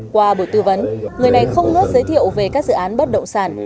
qua bộ tư vấn người này không ngớt giới thiệu về các dự án bất động sản